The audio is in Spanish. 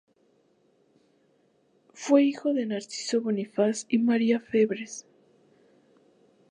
Fue hijo de Narciso Bonifaz y María Febres.